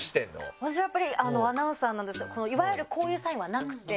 私はやっぱりアナウンサーなのでいわゆるこういうサインはなくて。